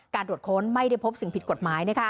ตรวจค้นไม่ได้พบสิ่งผิดกฎหมาย